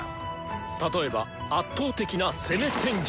例えば圧倒的な攻め戦術！